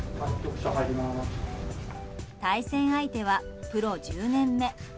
対戦相手はプロ１０年目。